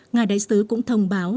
ngài đại sứ cũng thông báo